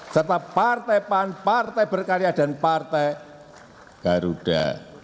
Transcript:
serta partai pan partai berkarya dan partai garuda